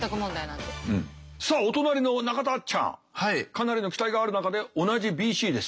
かなりの期待がある中で同じ「ＢＣ」です。